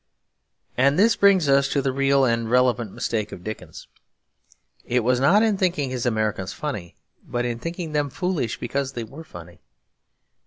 And this brings us to the real and relevant mistake of Dickens. It was not in thinking his Americans funny, but in thinking them foolish because they were funny.